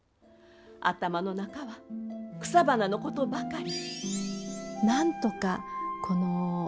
頭の中は草花のことばかり。